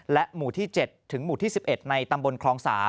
หมู่ที่๗ถึงหมู่ที่๑๑ในตำบลคลอง๓